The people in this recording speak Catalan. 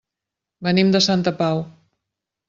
Venim de Santa Pau.